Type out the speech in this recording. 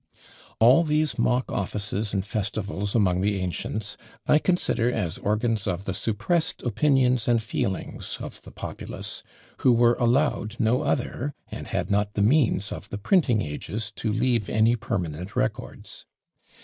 All these mock offices and festivals among the ancients I consider as organs of the suppressed opinions and feelings of the populace, who were allowed no other, and had not the means of the printing ages to leave any permanent records.